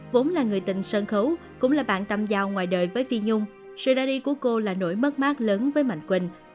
vốn là người tình sân khấu cũng là bạn tầm giao ngoài đời với phi nhung sự ra đi của cô là nỗi mất mát lớn với mạnh quỳnh